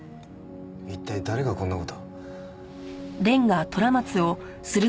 一体誰がこんな事。